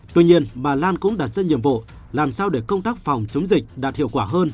tuy nhiên bà lan cũng đặt ra nhiệm vụ làm sao để công tác phòng chống dịch đạt hiệu quả hơn